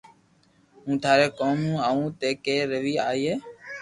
ھون ٿاري ڪوم نا آوو تي ڪي ري آوئ